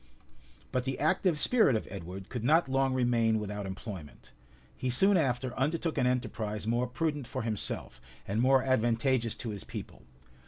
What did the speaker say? {1276.} But the active spirit of Edward could not long remain without employment. He soon after undertook an enterprise more prudent for himself, and more advantageous to his people.